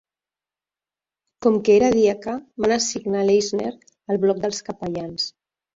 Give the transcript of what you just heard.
Com que era diaca, van assignar Leisner al bloc dels capellans.